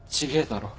だろ